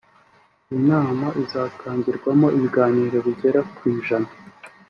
Iyi nama izatangirwamo ibiganiro bigera ku ijana